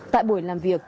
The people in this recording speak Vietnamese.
tại buổi làm việc